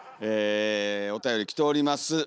えおたより来ております。